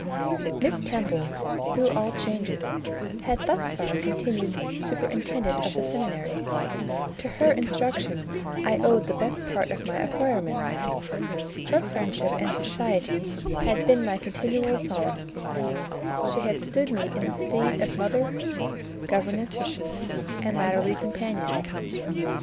Miss Temple, through all changes, had thus far continued superintendent of the seminary: to her instruction I owed the best part of my acquirements; her friendship and society had been my continual solace; she had stood me in the stead of mother, governess, and, latterly, companion.